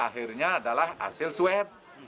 akhirnya adalah hasil swab